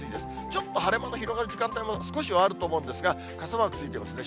ちょっと晴れ間の広がる時間帯も少しはあると思うんですが、傘マークついてますね。